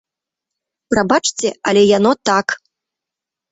Прабачце, але яно так.